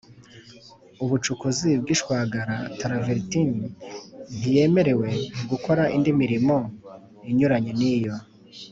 ubucukuzi bw ishwagara travertin Ntiyemerewe gukora indi mirimo inyuranye n iyo